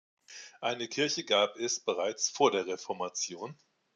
Eine Kirche gab es bereits vor der Reformation.